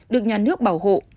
được nhà nước bảo hộ